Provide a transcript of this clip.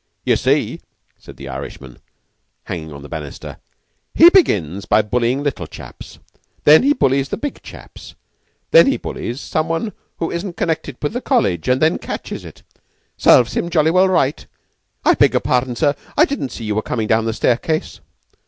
"You see," said the Irishman, hanging on the banister, "he begins by bullying little chaps; then he bullies the big chaps; then he bullies some one who isn't connected with the College, and then catches it. Serves him jolly well right... I beg your pardon, sir. I didn't see you were coming down the staircase."